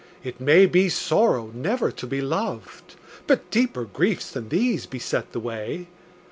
It may be sorrow never to be loved, But deeper griefs than these beset the way.